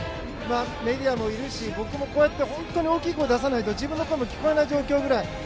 メディアもいるし僕もこうやって本当に大きな声を出さないと自分の声も聞こえない状況。